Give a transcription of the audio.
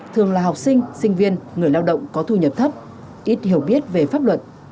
thường là học sinh sinh viên người lao động có thu nhập thấp ít hiểu biết về pháp luật